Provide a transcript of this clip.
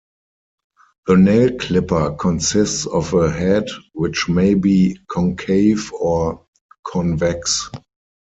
The nail clipper consists of a head which may be concave or convex.